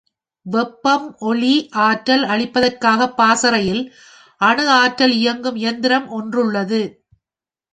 வெப்பம், ஒளி, ஆற்றல் அளிப்பதற் காகப் பாசறையில் அணு ஆற்றலால் இயங்கும் எந்திரம் ஒன்றுள்ளது.